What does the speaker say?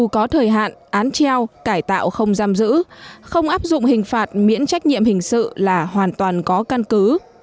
có thời hạn án treo cải tạo không giam giữ không áp dụng hình phạt miễn trách nhiệm hình sự là hoàn toàn có căn cứ